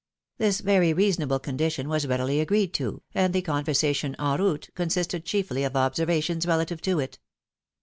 This very reasonable condition was readily agreed to, and the conversation en route consisted chiefly of observations relative to it.